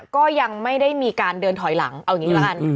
ก็ยังไม่ได้มีการเดินถอยหลังเอาอย่างนี้ละกัน